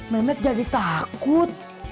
memet jadi takut